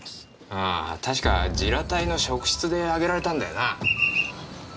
ああ確か自ら隊の職質で挙げられたんだよな。